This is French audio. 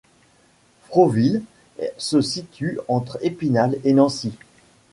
Froville se situe entre Épinal et Nancy.